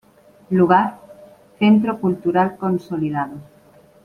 Lugar: Centro Cultural Consolidado.